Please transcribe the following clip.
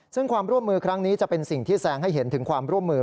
ซึ่งความร่วมมือครั้งนี้จะเป็นสิ่งที่แซงให้เห็นถึงความร่วมมือ